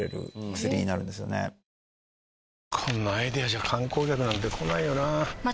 こんなアイデアじゃ観光客なんて来ないよなあ